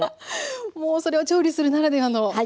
もうそれは調理するならではのね。